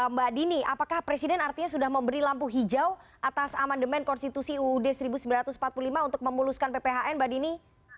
mbak dini apakah presiden artinya sudah memberi lampu hijau atas amandemen konstitusi uud seribu sembilan ratus empat puluh lima untuk memuluskan pphn mbak dini